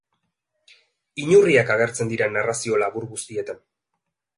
Inurriak agertzen dira narrazio labur guztietan.